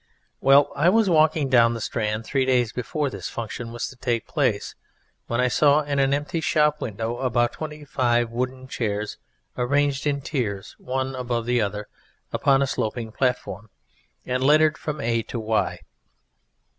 Well, I was walking down the Strand three days before this Function was to take place, when I saw in an empty shop window about twenty five wooden chairs, arranged in tiers one above the other upon a sloping platform, and lettered from A to Y.